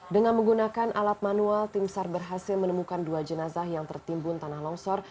dengan menggunakan alat manual tim sar berhasil menemukan dua jenazah yang tertimbun tanah longsor